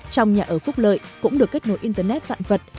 trong nhà ở phúc lợi cũng được kết nối internet vạn vật